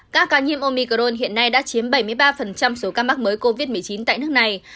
các ca nhiễm omicron hiện nay đã chiếm bảy mươi ba số ca mắc mới covid một mươi chín tại nước này